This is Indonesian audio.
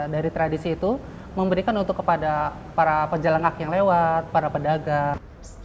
dari tradisi itu memberikan untuk kepada para penjelengak yang lewat para pedagang